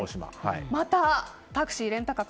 また、タクシー、レンタカー